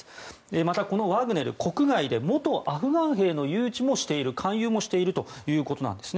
またこのワグネル国外で元アフガン兵の勧誘もしているということなんですね。